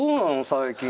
最近。